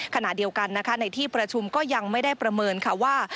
ขณะเดียวกันนะคะในที่ประชุมก็ยังไม่ได้ประเมินค่ะว่า